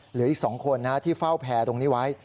เหลืออีก๒คนที่เฝ้าแพรตรงนี้ไว้